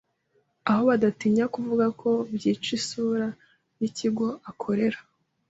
aho badatinya kuvuga ko byica isura y’ikigo akorera.